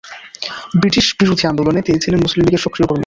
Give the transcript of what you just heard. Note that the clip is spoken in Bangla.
বৃটিশ বিরোধী আন্দোলনে তিনি ছিলেন মুসলিম লীগের সক্রিয় কর্মী।